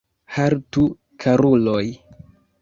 Haltu, karuloj!